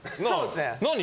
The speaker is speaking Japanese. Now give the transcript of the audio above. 何？